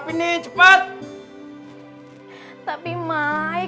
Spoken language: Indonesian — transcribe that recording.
lo harus ke sekolah